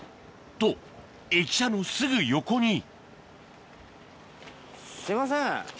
と駅舎のすぐ横にすいません